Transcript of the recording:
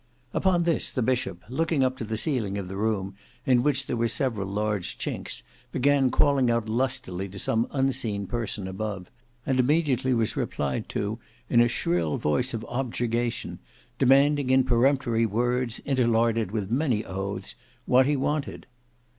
Upon this the bishop, looking up to the ceiling of the room in which there were several large chinks, began calling out lustily to some unseen person above, and immediately was replied to in a shrill voice of objurgation, demanding in peremptory words, interlarded with many oaths, what he wanted.